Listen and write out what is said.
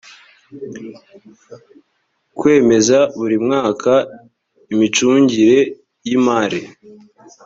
kwemeza buri mwaka imicungire y imari